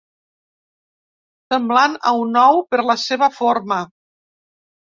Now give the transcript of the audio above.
Semblant a un ou per la seva forma.